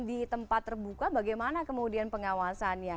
di tempat terbuka bagaimana kemudian pengawasannya